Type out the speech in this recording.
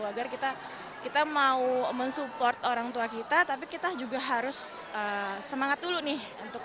agar kita mau mensupport orang tua kita tapi kita juga harus semangat dulu nih untuk